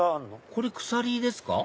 これ鎖ですか？